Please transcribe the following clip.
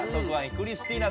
クリスティーナ。